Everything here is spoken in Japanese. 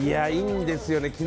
いいんですよね。